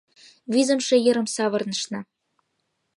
— Визымше йырым савырнышна.